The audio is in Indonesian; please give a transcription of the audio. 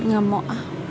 gak mau ah